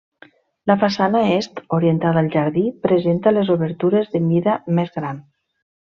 La façana est, orientada al jardí, presenta les obertures de mida més gran.